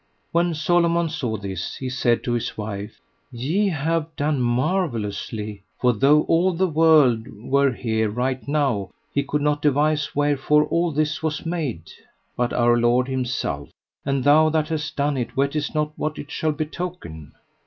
When Solomon saw this, he said to his wife: Ye have done marvellously, for though all the world were here right now, he could not devise wherefore all this was made, but Our Lord Himself; and thou that hast done it wottest not what it shall betoken.